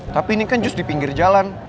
tapi ini kan jus di pinggir jalan